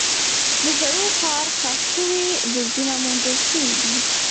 د زوړ ښار ښخ شوي برجونه موندل شوي دي.